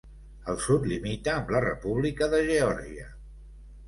Al sud, limita amb la República de Geòrgia.